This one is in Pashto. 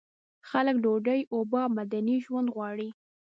خلک ډوډۍ، اوبه او مدني ژوند غواړي.